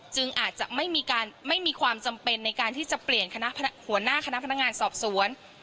อาจจะไม่มีความจำเป็นในการที่จะเปลี่ยนคณะหัวหน้าคณะพนักงานสอบสวน